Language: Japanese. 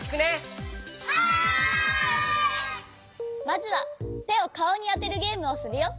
まずはてをかおにあてるゲームをするよ。